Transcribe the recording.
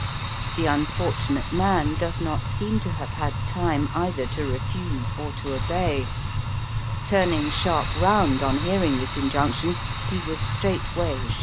The unfortunate man does not seem to have had time either to refuse or to obey. Turning sharp round on hearing this injunc tion, he was straightway shot dead.